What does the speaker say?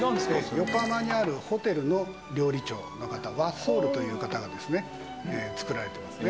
横浜にあるホテルの料理長の方ワッソールという方がですね作られてますね。